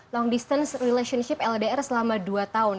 long distance relationship ldr selama dua tahun